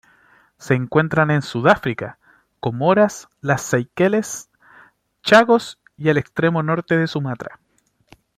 Se encuentran en Sudáfrica, Comoras, las Seychelles, Chagos y el extremo norte de Sumatra.